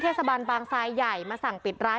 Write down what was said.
บางทรายใหญ่มาสั่งปิดร้าน